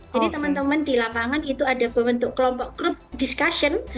jadi teman teman di lapangan itu ada bentuk kelompok group discussion